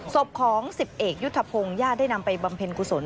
ศพของ๑๐เอกยุทธพงศ์ญาติได้นำไปบำเพ็ญกุศล